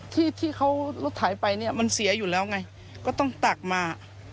ที่เขารถถ่ายไปเนี่ยมันเสียอยู่แล้วไงก็ต้องตักมา